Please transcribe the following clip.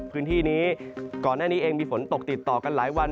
พื้นที่นี้ก่อนหน้านี้เองมีฝนตกติดต่อกันหลายวัน